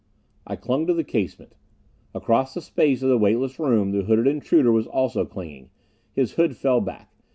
I clung to the casement. Across the space of the weightless room the hooded intruder was also clinging. His hood fell back.